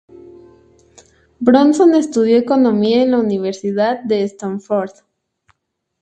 Bronson estudió Economía en la Universidad de Stanford.